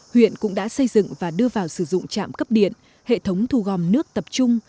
huyện cũng đã xây dựng và đưa vào sử dụng trạm cấp điện hệ thống thu gom nước tập trung